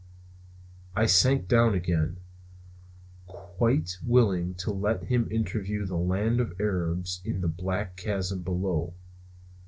I sank down again, quite willing to let him interview the land of Arabs in the black chasm below.